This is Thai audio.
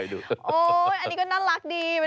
อันนี้ก็น่ารักดี